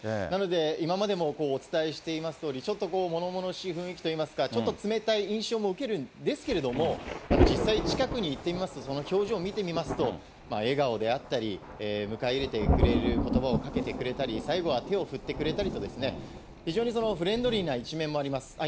なので、今までもお伝えしていますとおり、ちょっとものものしい雰囲気といいますか、ちょっと冷たい印象も受けるんですけれども、実際、近くに行ってみますと、その表情見てみますと、笑顔であったり、迎え入れてくれることばをかけてくれたり、最後は手を振ってくれたりとですね、非常にフレンドリーな一面もあります。